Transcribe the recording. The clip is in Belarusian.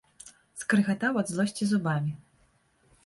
Скрыгатаў ад злосці зубамі.